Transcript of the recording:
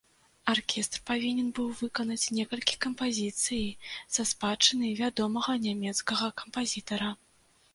Аркестр павінен быў выканаць некалькі кампазіцыі са спадчыны вядомага нямецкага кампазітара.